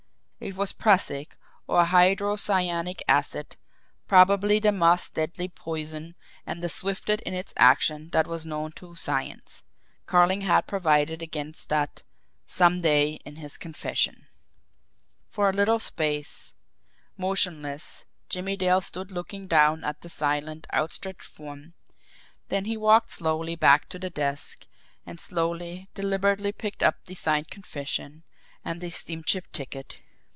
It was prussic, or hydrocyanic acid, probably the most deadly poison and the swiftest in its action that was known to science Carling had provided against that "some day" in his confession! For a little space, motionless, Jimmie Dale stood looking down at the silent, outstretched form then he walked slowly back to the desk, and slowly, deliberately picked up the signed confession and the steamship ticket.